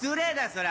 そりゃ。